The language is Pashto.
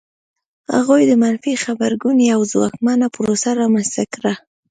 هغوی د منفي غبرګون یوه ځواکمنه پروسه رامنځته کړه.